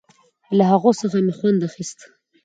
له هغو څخه مې خوند اخيست.